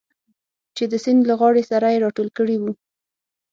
چې د سیند له غاړې سره یې راټول کړي و.